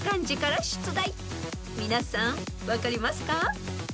［皆さん分かりますか？］